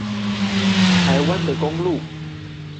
臺灣的公路